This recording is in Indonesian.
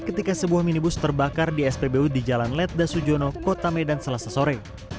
ketika sebuah minibus terbakar di spbu di jalan ledda sujono kota medan selasa sore